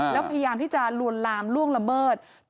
แล้วพยายามที่จะลวนลามล่วงละเมิด